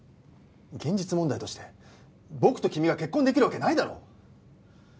現実問題として僕と君が結婚できるわけないだろ！